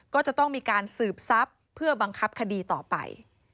ก็จะต้องมีการสืบทรัพย์เพื่อบังคับคดีต่อไป